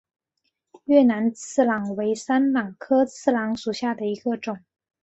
越南刺榄为山榄科刺榄属下的一个种。